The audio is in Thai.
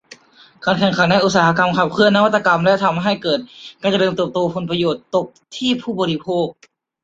การแข่งขันในอุตสาหกรรมขับเคลื่อนนวัตกรรมและทำให้เกิดการเจริญเติบโต ผลประโยชน์ตกที่ผู้บริโภค